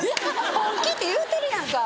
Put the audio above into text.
本気って言うてるやんか。